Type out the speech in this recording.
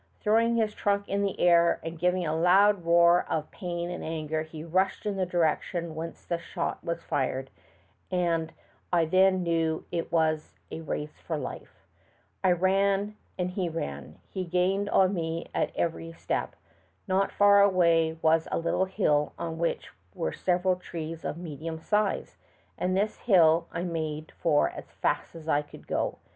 Throw ing his trunk in the air and giving a loud roar of pain and anger, he rushed in the direction whence the shot was fired, and I then knew that it was a race for life. I ran and he ran, and he gained on me at every step. Not far away was a little hill on which were several trees of medium size, and this hill I made for as fast as I could go.